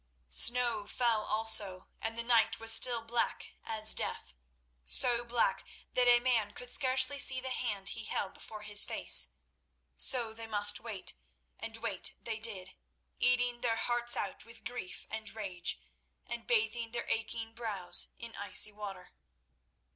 Snow fell also, and the night was still black as death—so black that a man could scarcely see the hand he held before his face. So they must wait, and wait they did, eating their hearts out with grief and rage, and bathing their aching brows in icy water.